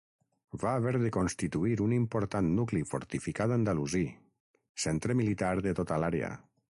Va haver de constituir un important nucli fortificat andalusí, centre militar de tota l'àrea.